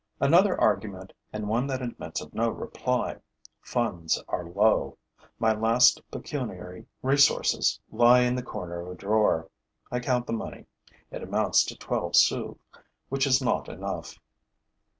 Another argument and one that admits of no reply: funds are low; my last pecuniary resources lie in the corner of a drawer. I count the money: it amounts to twelve sous, which is not enough.